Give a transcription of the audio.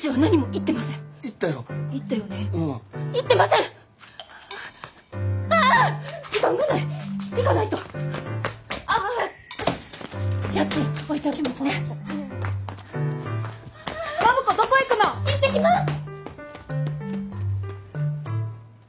行ってきます！